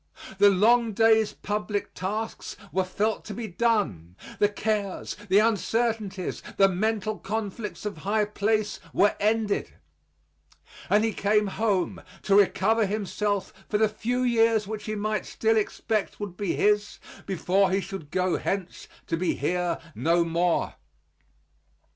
The long day's public tasks were felt to be done; the cares, the uncertainties, the mental conflicts of high place, were ended; and he came home to recover himself for the few years which he might still expect would be his before he should go hence to be here no more.